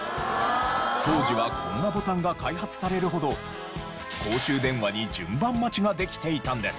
当時はこんなボタンが開発されるほど公衆電話に順番待ちができていたんです。